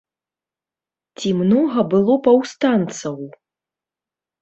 Ці многа было паўстанцаў?